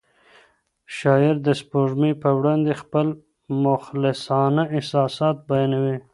شاعر د سپوږمۍ په وړاندې خپل مخلصانه احساسات بیانوي.